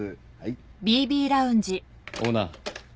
オーナー。